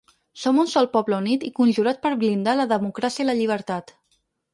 Som un sol poble unit i conjurat per blindar la democràcia i la llibertat.